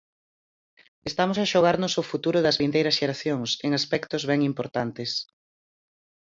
Estamos a xogarnos o futuro das vindeiras xeracións, en aspectos ben importantes.